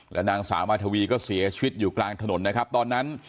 นางสาวมาทวีก็เสียชีวิตอยู่กลางถนนนะครับตอนนั้น